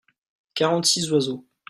quarante six oiseaux.